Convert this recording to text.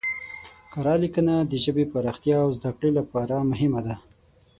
کره لیکنه د ژبې پراختیا او زده کړې لپاره مهمه ده.